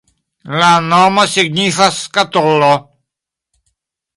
La nomo signifas skatolo.